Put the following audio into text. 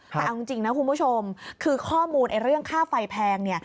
แต่เอาจริงนะคุณผู้ชมคือข้อมูลเรื่องค่าไฟแพงเนี่ย